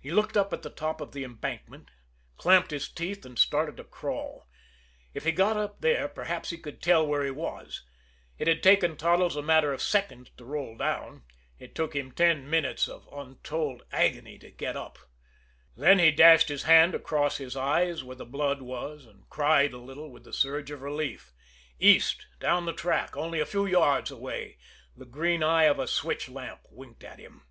He looked up at the top of the embankment, clamped his teeth, and started to crawl. If he got up there, perhaps he could tell where he was. It had taken Toddles a matter of seconds to roll down; it took him ten minutes of untold agony to get up. Then he dashed his hand across his eyes where the blood was, and cried a little with the surge of relief. East, down the track, only a few yards away, the green eye of a switch lamp winked at him.